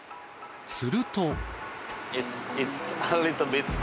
すると。